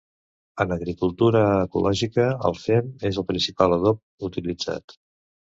En agricultura ecològica el fem és el principal adob utilitzat.